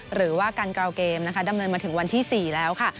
หรือว่าการกราวเกมนะคะดำเนินมาถึงวันที่๔แล้วค่ะ